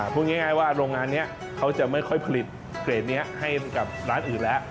พูดง่ายว่าโรงงานนี้เขาจะไม่ค่อยผลิตเกรดนี้ให้กับร้านอื่นแล้ว